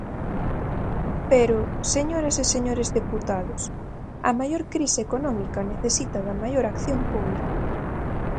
Pero, señoras e señores deputados, a maior crise económica necesita da maior acción pública.